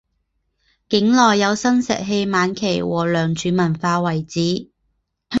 境内有新石器晚期和良渚文化遗址。